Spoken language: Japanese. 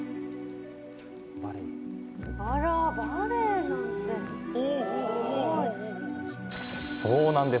あら、バレエなんだ。